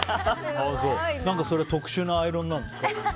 特殊なアイロンなんですか？